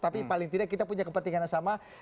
tapi paling tidak kita punya kepentingan yang sama